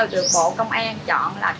được bộ công an chọn là